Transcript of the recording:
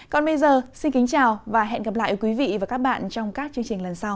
còn bây giờ xin kính chào và hẹn gặp lại quý vị và các bạn trong các chương trình lần sau